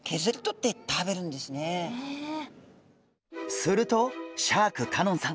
するとシャーク香音さん